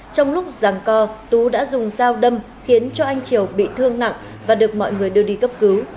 trong lúc rằng co tú đã dùng dao đâm khiến cho anh triều bị thương nặng và được mọi người đưa đi cấp cứu